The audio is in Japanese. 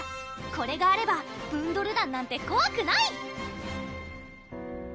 これがあればブンドル団なんてこわくない！